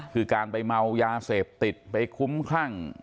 คือการไปเมายาเสพติดไปคุ้มคลั่ง